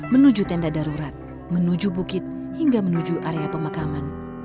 menuju tenda darurat menuju bukit hingga menuju area pemakaman